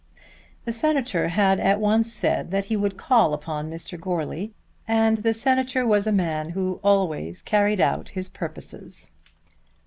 The Senator had at once said that he would call upon Mr. Goarly, and the Senator was a man who always carried out his purposes.